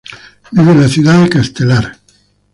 Vive en la ciudad de Castelar.